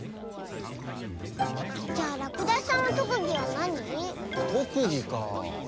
じゃあらくだしさんのとくぎはなに？とくぎかあ。